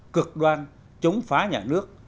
cực đoan chống phá nhà nước